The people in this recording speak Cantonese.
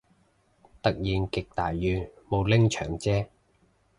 突然極大雨，冇拎長遮